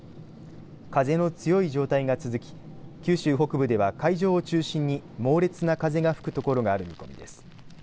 風の強い状態が続き九州北部では海上を中心に猛烈な風が吹くところがある見込みです。